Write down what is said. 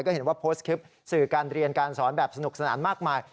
ก็เห็นว่าโพสต์คลิปสื่อการเรียนการสอนแบบสนุกสนานมากมาย